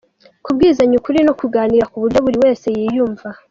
Kubwizanya ukuri no kuganira ku buryo buri wese yiyumva.